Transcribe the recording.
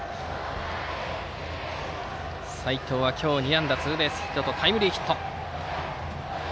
齊藤は今日２安打ツーベースヒットとタイムリーヒット。